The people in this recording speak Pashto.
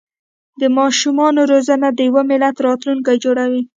د ماشومانو روزنه د یو ملت راتلونکی جوړوي.